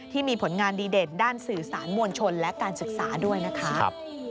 ที่มีผลงานดีเด่นด้านสื่อสารมวลชนและการศึกษาด้วยนะคะ